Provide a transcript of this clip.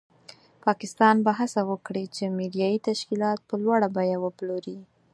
پاکستان به هڅه وکړي چې میډیایي تشکیلات په لوړه بیه وپلوري.